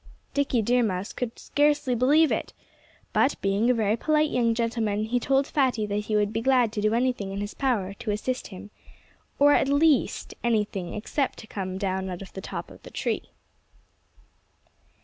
Dickie Deer Mouse could scarcely believe it. But being a very polite young gentleman, he told Fatty that he would be glad to do anything in his power to assist him or at least, anything except to come down out of the top of the tree.